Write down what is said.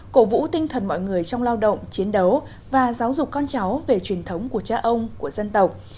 cổ vũ tinh thần mọi người trong lao động chiến đấu và giáo dục con cháu về truyền thống của cha ông của dân tộc